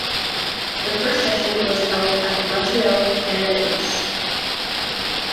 The first session was held at Montreal, Canada East.